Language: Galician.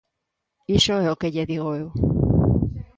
Iso é o que lle digo eu.